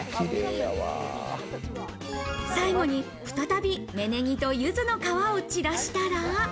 最後に再び芽ねぎと柚子の皮を散らしたら。